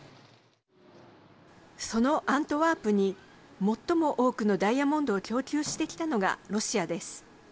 そのアントワープに最も多くのダイヤモンドを供給してきたのがロシアです。